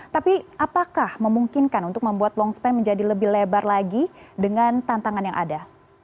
tapi apakah memungkinkan untuk membuat longspan menjadi lebih lebar lagi dengan tantangan yang ada